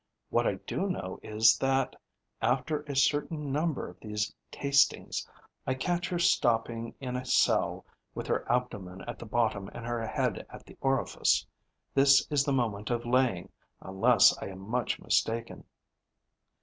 What I do know is that, after a certain number of these tastings, I catch her stopping in a cell, with her abdomen at the bottom and her head at the orifice. This is the moment of laying, unless I am much mistaken.